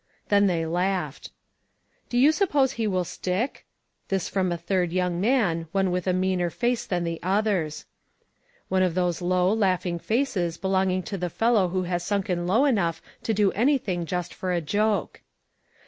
Then they laughed. " Do you suppose he will stick ?" This from a third young man, one with a meaner face than the others. One of those low, laughing faces belonging to the 454 ONE COMMONPLACE DAY. fellow who has sunken low enough to do anything just for a joke.